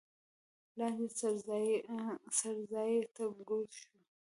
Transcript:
لاندې څړځای ته کوز شوو.